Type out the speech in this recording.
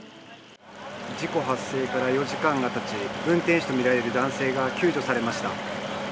事故発生から４時間がたち運転手とみられる男性が救助されました。